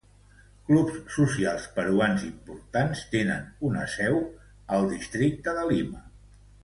Clubs socials peruans importants tenen una seu al districte de Lima.